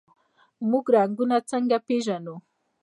موږ رنګونه څنګه پیژنو؟